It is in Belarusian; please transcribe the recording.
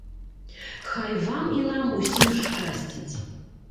Хай вам і нам ўсім шчасціць!